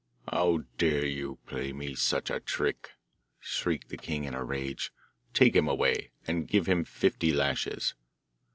'How dare you play me such a trick?' shrieked the king in a rage. 'Take him away, and give him fifty lashes.